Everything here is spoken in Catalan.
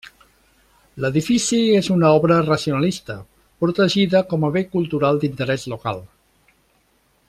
L'edifici és una obra racionalista protegida com a Bé Cultural d'Interès Local.